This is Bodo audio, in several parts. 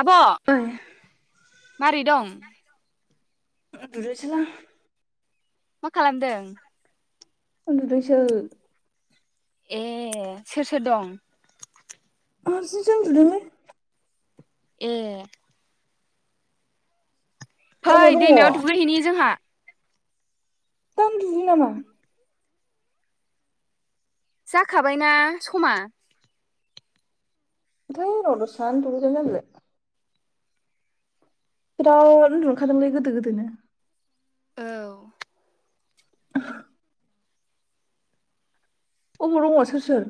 आब' ओइ मारै दं। [unintelligible] मा खालामदों। उन्दुदोंसो। ए सोर सोर दं। आं हारसिं सो उन्दुदोंलै। ए। फै अबाव दङ दैमायाव दुगैहैनि जोंहा। दान दुगैयो नामा। जाखाबायना समा। है र दसे थाना दुगैगोन जामबिलाय। बिराद नन्दुनो ओंखारदोंमोनलै गोदो गोदोनो। औ ओ। अबाल दंङ सोर सोर।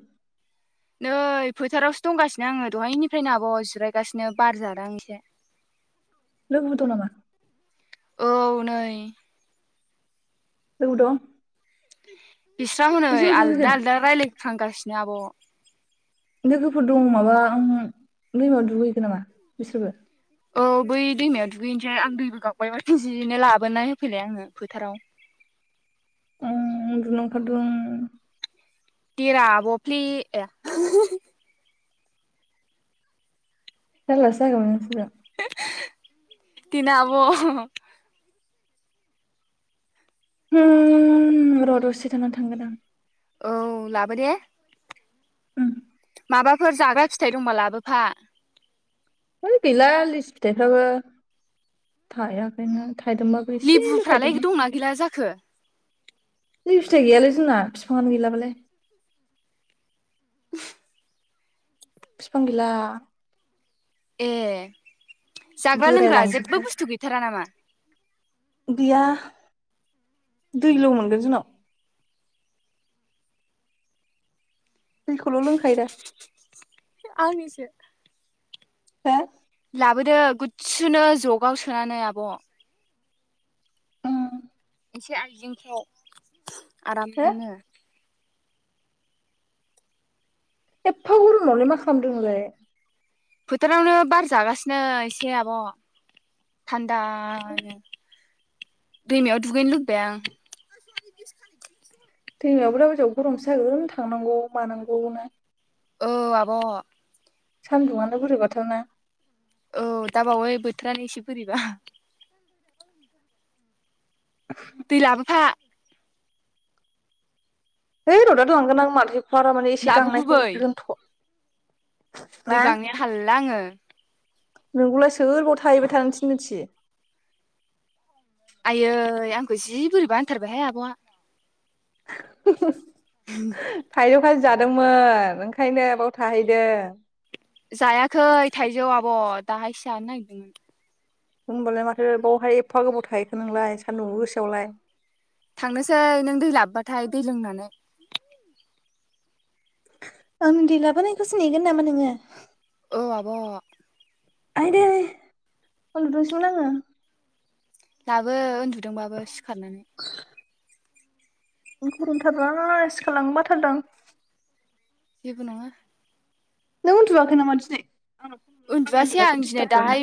नै फोथारावसो दंगासिनो आंङो दहायनिफ्रायनो आब जिरायगासिनो बार जादों आं एसे। लोगोबो दं नामा। औ नै । जौ द बिस्रां हनै आलदा आलदा रायलायफ्लांगासि नो आब। लोगोफोर दं माबा उम दैमायाव दुगैगोन नामा बिसोरबो। औ बै दैमायाव दुगैनोसै आं दैबो गाबायमोन बिजिनो लाबोना होफैलाय आंङो फोथाराव। उम उनदुनो ओंखारदों। दिरा आबफ्लि। जारलासो जागोबोन नोंसोरजों। [unintelligible] दिना आब [unintelligible] र दसे थानानै थांगोन आं औ लाबो दे ओम माबाफोर जाग्रा फिथाइ दंबा लाबोफा है गैला लिसु फिथाइफ्राबो थायाखायनो लेबुफ्रालाय दंना गैला जाखो फिथाइ गैयालाय जोंना बिफांङानो गैला बालाय [inaudible] [unintelligible] फिफां गैला ए जाग्रा लोंग्रा जेबो बोरायलांजोबबाय बुस्थु गैथारा नामा गैया [unintelligible] दैल मोनगोन जोंनाव दैखौल लोंखायोदा आंनिसो [inaudible] हो लाबोदो गुसुनो जगाव सोनानै आब [inaudible] उम एसे आइजेंफ्राव हो आरामनो एफा गरमावलाय मा खालामदोंलाय फोथारावनो बार जागासिनो एसे आब [unintelligible] [unintelligible] दैमायाव दुगैनो लुबैबाय आं [unintelligible] दैमायावबो दा बायदियाव गरमसो जागोन थांनांगौ मानांगौ नो औ आब सान्दुंङानो बोरैबाथारना औ दा बावै बोथोरानो एसे बोरैबा दै लाबोफा [unintelligible] बारा माने एसे लाबो गांनायखौ गुबै दोनथ'। दै गांनाया हालला आङो। नोंगौलाय सोर बाव थाहैबाय थानो थिन्दों सि- आयै आंखौ जि बोरै बा होनथारबायहाय आब'आ। [unintelligible] [unintelligible] जादोंमोन ओंखायनो बाव थाहैदों। जायाखै थाइजौ आब' दाहायसो जानो नागिरदोंमोन। होनबालाय माथो बावहाय एफा गोबाव थायोखो नोंलाय सान्दुंबो गोसोआवलाय। थांनोसै नों दै लाबोबाथाय दै लोंनानै [unintelligible] आं दै लाबोनायखौसो नेगोन नामा नोङो। औ आब'। आइदैे [unintelligible] आङो। लाबो उन्दुदोंबाबो सिखारनानै! [unintelligible] सिखारलांनो बाथारदो आं। जेबो नङा। नों उन्दुयाखै नामा दिनै? आंनाव फन हरनो नाङा उन्दुवासै उन्दुनायखौ आं दिनै दिस्टार्ब खालामनो दाहाय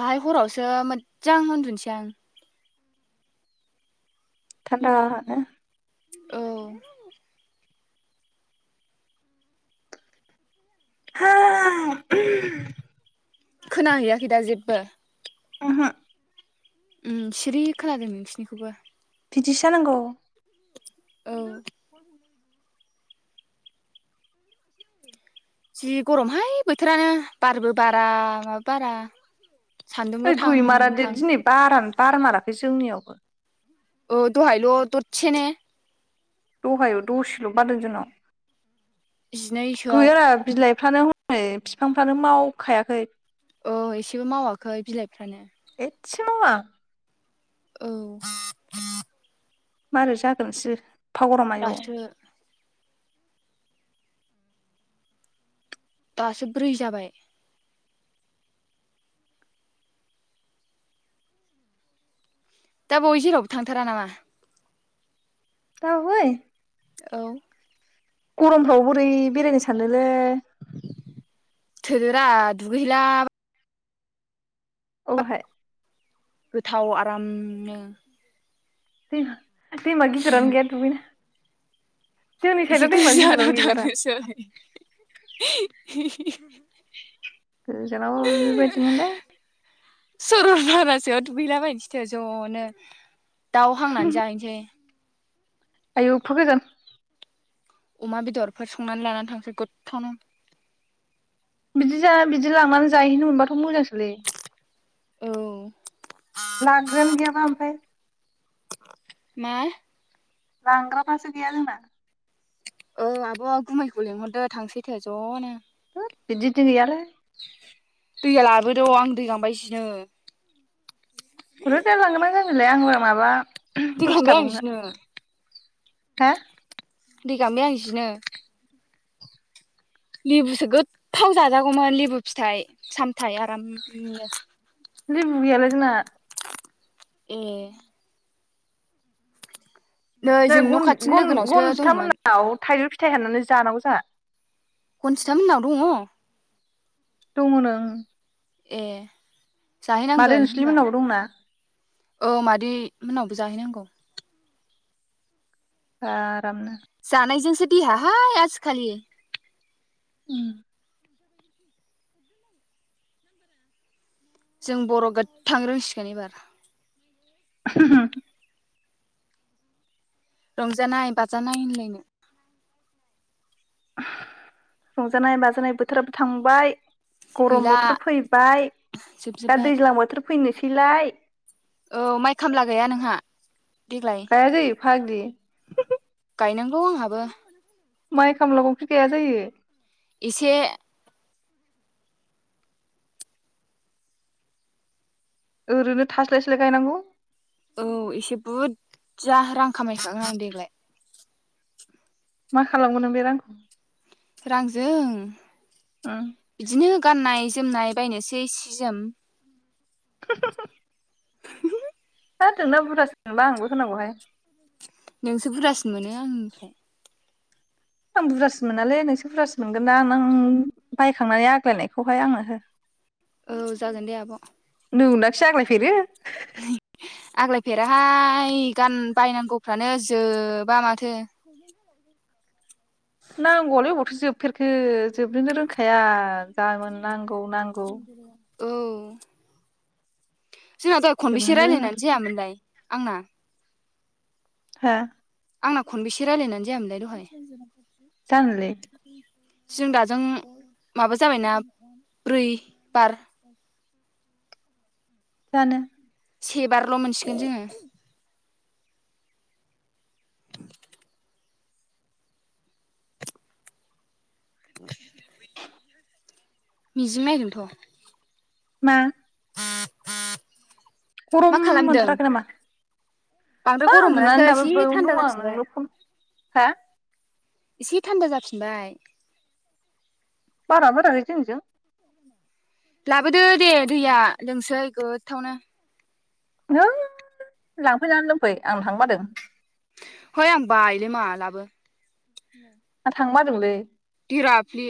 दाहाय हरावसो मोजां उन्दुनोसै आं। थान्दानो। औ। [unintelligible] खोनाहैयाखै दा जेबो? उमहो। उम सिरि खोनादों नोंसिनिखौबो। बिदिसो जानांगौ। औ। जि गरमहाय बोथोरानो बारबो बारा माबो बारा। सान्दुंल' ओइ थां गैमारादे थां दिनै बारानो बार माराखै जोंनियावबो। ओ दहायल' दसे ने? दहायाव दसेल' बादों जोंनाव। जिनैसोआव गैयारा [unintelligible] हनै बिफांफ्रानो मावखायाखै। ओ एसेबो मावाखै बिलाइफ्रानो [unintelligible] औ। मारै जागोनसो एफा गरम आइऔ। दासो दासो ब्रै जाबाय। दा बावै जेरावबो थांथारा नामा? [unintelligible] औ गरमफ्राव बोरै बेरायनो सानोलै थोदोरा दुगैहैला अबहाय? गोथाव आरामनो [unintelligible] दैमा गिदिरानो गैया दुगैनो जोंनि एसे साइडआव दैमा गोजानाव गिदिरानो गैलारा थांनोसै। [inaudible] गोजानावबो बिबायदिनोलै। सरलपारासोआव दुगैहैला बायहैनोसैथ ज'नो । दाउ हांनानै जाहैसै। आयु एफा गोजान अमा बेदरफोर संनानै लानानै थांसै गोथथावनो। बिदि जा बिदि लांनानै जाहैनो मोनबाथ' मोजांसो। लै औ लाग्रायानो गैयाबा ओमफ्राय मा लांग्राफ्रासो गैया जोंना ओ आब'आ गुमैखौ लेंहरदो थांसै थो ज'नो। बिदि थि गैयालै दैया लाबोद आं दै गांबायजिनो [unintelligible] [unintelligible] आंलाय माबा दै दसे गारबाय आं थाबावनो जिनो हा दै गांबाय आं जिनो लेबुसो गोथथाव जाजागौमोन लेबु फिथाइ सामथाय आरामनो लेबु गैयालै जोंना ए नै जों न' खाथिनि लोगोनावसो दंमोन गन-गन-गन-गनजिथामोननाव थाइजौ फिथ थाइ हाननानै जानांगौ जोहा खनजिथामोननाव दङ? दङनो ओं ए मादै जाहैनांगोन होनबा जोंसुलिमोननावबो दंना औ मादै मोननावबो जाहैनांगौ। दा जानाइजोंसो देहा हाय आजिखालि उम। जों बर' गोथां रोंसिगोन एबार होम होम। रंजानाय बाजानाय होनलायनो रंजानाय बाजानाय बोथोराबो थांबाय गरम गैला बोथोर फैबाय दा जोबजोब्बाय दैज्लां बोथोर फै फैनोसैलाय औ माइ खामला गैया नोंहा? देग्लाय गाया जायो? [unintelligible] गायनांगौ आंहाबो माइ खामला गाया जायो? एसे ओरैनो थास्लाय स्लाय गायनांगौ । औ एसे बुरजा रां खामायखागोन आं देग्लाय । मा खालामगोन नों बे रांखौ? रांजों उम बिदिनो गाननाय जोमनाय बायनोसै सि जोम [unintelligible] [unintelligible] आंनोबो होनांगौहाय। नोंसो बुरजासिन मोनो आंनिफ्राय । आं बुरजासिन मोनालै नोंसो बुरजासिन मोनगोन ना नों बायखांनानै आग्लायनायखौहाय आंनो हो । औ जागोन दे आब' । नुंनाखिसै आग्लायफेरो । आग्लायफेराहाय गान बायनांगौफ्रानो जोबा माथो । नांगौआलै अबावथ' जोबफेरखो जोबनोनो रोंखाया जागोन नांग गौ नांगौ औ । जोंना दहाय खनबैसे जोबनोनो रोङा रायलायनानै जायामोनलाय? आंना हो? आंना खनबैसे रायलायनानै जायामोनलाय दहाय? जानोलै? जों दाजों माबा जाबायना ब्रै बार जानो । से बारल' मोनसिगोन जोङो । [inaudible] मिजिं नायदोंथ' । मा? मा गरम खालामदों मोनथाराखै नामा? बांद्राय हो गरम मोनासै उनदुनानै दाबो एसे बेयावनो थान्दा दं आङो जाफिनबाय नोंनो पन हा? एसे थान्दा जाफिनबाय बारा बाराखै जोंनिजों लाबोदो दे दैया लोंसै गोथावनो । नो लांफैनानै लोंफै आं थांनोबादों हैय आं बायोलै मा लाबो । थां बादोंलै हिरा फ्लि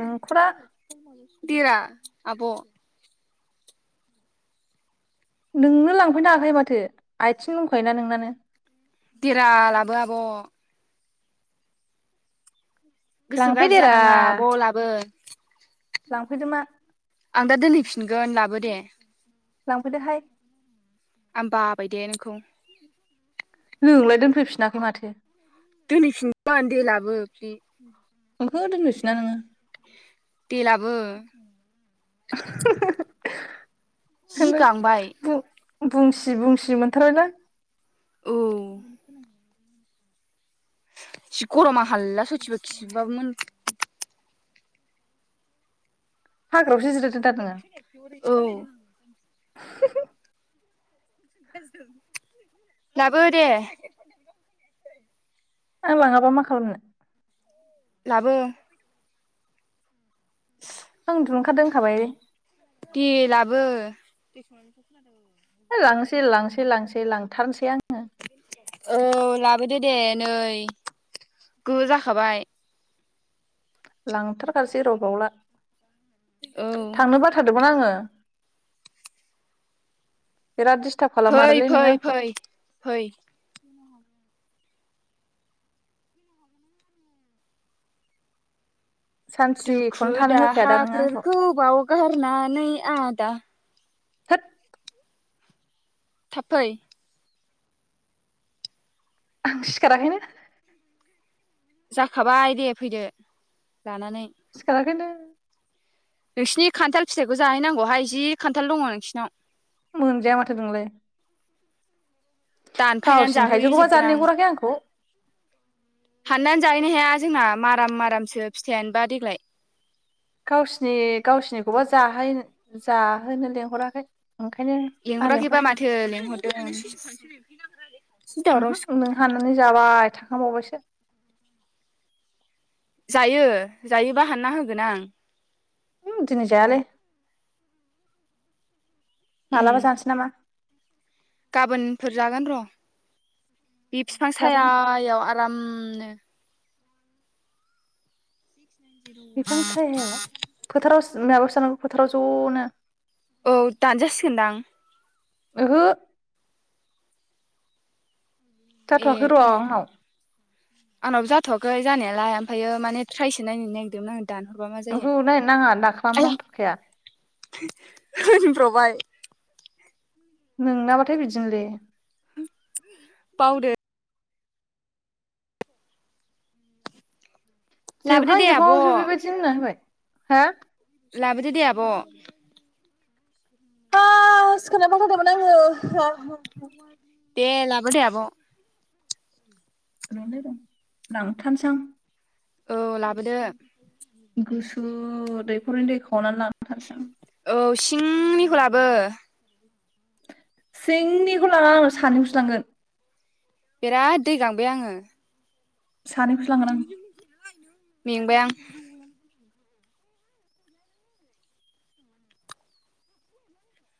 नों खु दा दिरा आब' नोंनो लांफैनो हाखायो माथो आइथिं दंखायोना नोंनानो । देरा लाबो आब' गोसो गाज्रि लांफैदेरा जानाङा आब'लाबो लांफैदो मा आं दा दिनै फि मोनगोन लाबो दे लांफैदो हाय आं बाबाय दे नोंखौ नोंलाय दोनफैफिनाखै माथो दोनहैफिनगोन दे लाबो बे ओंहो दोनहैफिना नोङो दे लाबो [unintelligible] जि सोंदों गांबाय बुं बुंसि बुंसि मोनथारबाय लां औ जि गरम आं हाला सयथिबो खिबाब मोन हाग्रायाव सो औ [unintelligible] लाबो दे आं लाङाबा मा खालामनो लाबो [inaudible] आं उन्दुनो ओंखारदों होनखाबाय दे लाबो लांसै लांसै-लांसै लांथारसै आं औ लाबोदो दे नै गोहो जाखाबाय लांथारखसै रबावला औ थांनो बाथार दोंमोन आङो [unintelligible] फै खालामारोलै नोङो आंखौ फै-फै-फै सानसेखौनो दुखु थानो होखाया दा नोङो आंखौ दाहाफोरखौ बावगारनानै आ दा । थोद। थाबफै। आं सिखारा‌ खैनो। जाखाबाय दे फैदो। लानानै सिखाराखैनो नोंसिनि खान्थाल फिथाइखौ जाहैनांगौहाय जि खान्थाल दङ नोंसिनाव। मोनजाया माथो नोंलाय। दानफायनानै गावसिनि थाइजौखौबा जाहोहैजोबगोन जानो आं लें हराखै आंखौ। हाननानै जाहैनो हाया जोंना माराम मारामसो फिथाइयानोबा देग्लाय। गावसिनि गावसिनिखौबा जाह जाहोनो लिंहराखै। लिंहरा खैबा माथो लेंह ओं। ओहो नों हानानै जाबाय थांखांबावबायसो। जायो जायोबा हानना होगोन आं। होम दिनै जायालै। उम मालाबा जानसै नामा? गाबोनफोर जागोन र'। बे फिफां साया जाबाय याव आराम। उमनो। बिफां सायाव फोथाराव जोंनियाबो [unintelligible] फोथाराव ज नो। औ दान जासिगोनदां। ओहो। जाथ'वाखै र' आंनाव। आंनाब जाथ'वाखै जानायालाय ओमफ्रायो माने ट्राइसो नायनो नागिरदोंमोन आङो। दानहरबा मा जायो ओहो नायनाङा दाखालाम आया दांथारखाया। होनब्रबाय। नोंनाबाथाय बिदिनोलै। बावदो। लाबोदो जोबहां दे जोबहां आवसो आब' बेबायदि होनना होबाय। हा? लाबोदो दे आब'। ह स सिखारनो बाथारदोंमोन आङो। [inaudible] दे लाबो दे आब'। [unintelligible] लांथारसै आं। औ लाबोदो। गुसु दैखरनि दै खावनानै लानाथांसै आं। औ सिंनिखौ लाबो। सिंनिखौ लांआ आंङो सानैखौनांगोन। बिराद दै गांबाय आङो। सानि खोसो लांगोन आं। मेंबाय आं।